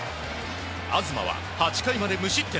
東は８回まで無失点。